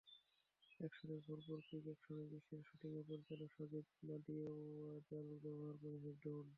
অ্যাকশনে ভরপুর কিক-এ অ্যাকশন দৃশ্যের শুটিংয়ে পরিচালক সাজিদ নাদিয়াদওয়ালা ব্যবহার করেছেন ড্রোন।